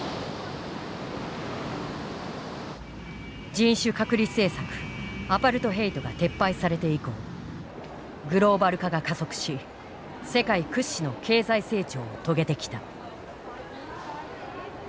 人種隔離政策アパルトヘイトが撤廃されて以降グローバル化が加速し世界屈指の経済成長を遂げてきた。